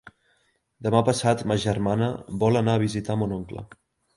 Demà passat ma germana vol anar a visitar mon oncle.